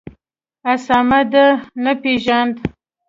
اسامه دي نه پېژاند